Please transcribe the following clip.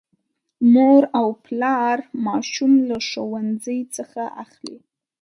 مور او پلا ماشوم له ښوونځي څخه اخلي.